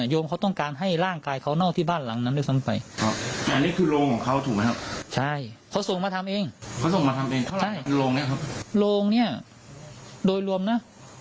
โยมนัชพรโรงเนี่ยโดยรวมนะ